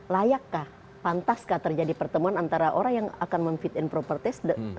layakkah pantaskah terjadi pertemuan antara orang yang akan memfit and proper test